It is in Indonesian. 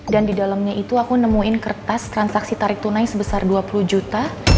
dan di dalamnya itu aku nemuin kertas transaksi tarik tunai sebesar dua puluh juta